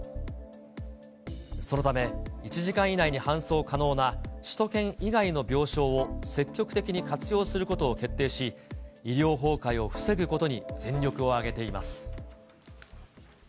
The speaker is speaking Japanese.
そのため、１時間以内に搬送可能な首都圏以外の病床を積極的に活用することを決定し、医療崩壊を防ぐことに全力を挙げています。